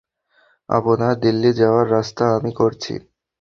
আপনার দিল্লি যাওয়ার রাস্তা আমি করছি।